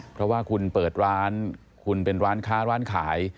เพราะว่าคุณเปิดร้านคุณเป็นร้านค้าร้านขาย